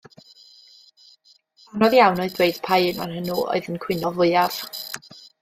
Anodd iawn oedd dweud pa un ohonyn nhw oedd yn cwyno fwyaf.